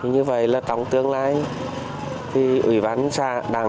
như vậy là trong tương lai thì ủy ván xã nam anh